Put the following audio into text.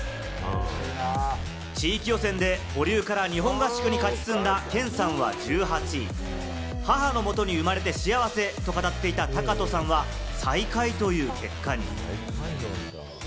地域予選で保留から日本合宿に勝ち進んだケンさんは１８位、母のもとに生まれて幸せと語っていたタカトさんは最下位という結果に。